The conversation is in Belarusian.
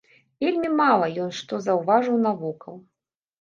Вельмі мала ён што заўважыў навокал.